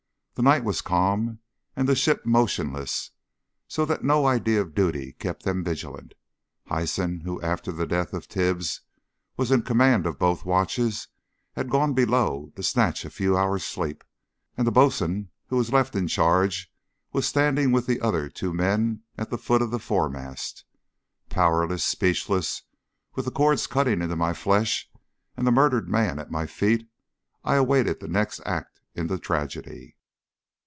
The night was calm and the ship motionless, so that no idea of duty kept them vigilant. Hyson, who after the death of Tibbs was in command of both watches, had gone below to snatch a few hours' sleep, and the boatswain who was left in charge was standing with the other two men at the foot of the foremast. Powerless, speechless, with the cords cutting into my flesh and the murdered man at my feet, I awaited the next act in the tragedy.